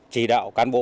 chỉ đạo cán bộ